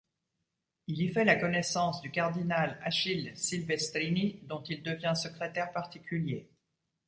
Il y fait la connaissance du cardinal Achille Silvestrini dont il devient secrétaire particulier.